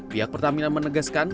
pihak pt pertamina menegaskan